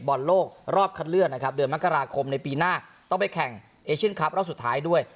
บอลโลกรอบคัดเลือกนะครับเดือนมกราคมในปีหน้าต้องไปแข่งเอเชียนคลับรอบสุดท้ายด้วย